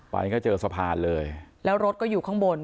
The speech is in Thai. ไปก็เจอสะพานเลยแล้วรถก็อยู่ข้างบน